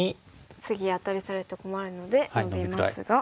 次アタリされると困るのでノビますが。